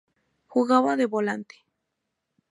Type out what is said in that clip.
Jugaba de Volante.